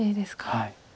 はい。